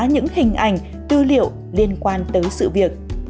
những hình ảnh tư liệu liên quan tới sự việc